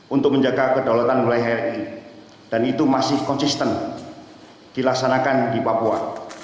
untuk menjaga kedaulatan wilayah ri dan itu masih konsisten dilaksanakan di papua